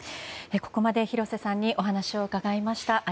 ここまで廣瀬さんにお話を伺いました。